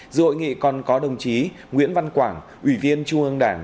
dự hội nghị còn có đồng chí nguyễn văn quảng ủy viên trung ương đảng